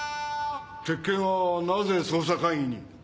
鉄警がなぜ捜査会議に？